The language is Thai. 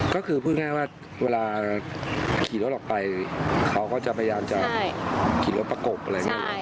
ก็คือพูดง่ายว่าเวลาขี่รถออกไปเขาก็จะพยายามจะขี่รถประกบอะไรอย่างนี้